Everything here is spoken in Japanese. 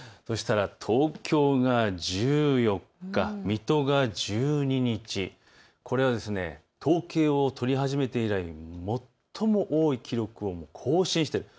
東京が１４日、水戸が１２日、これは統計を取り始めて以来、最も多い記録を更新している。